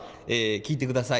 聴いてください。